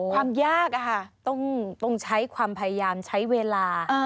ความยากต้องใช้ความพยายามใช้เวลา